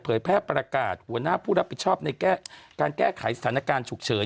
แพร่ประกาศหัวหน้าผู้รับผิดชอบในการแก้ไขสถานการณ์ฉุกเฉิน